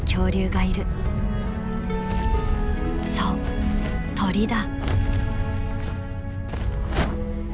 そう鳥だ。